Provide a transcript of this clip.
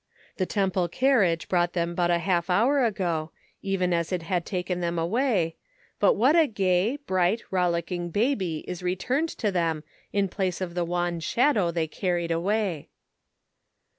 The Temple car riage brought them but a half hour ago, even as it had taken them away, but what a gay, bright, rollicking baby is returned to them in place of the wan shadow they carried away.